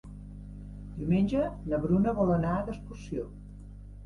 Diumenge na Bruna vol anar d'excursió.